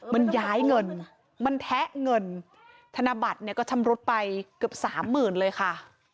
มันย้ายเงินมันแทะเงินธนบัตรได้ชำรวจปลายคือเกือบสามหมื่นเลยค่ะ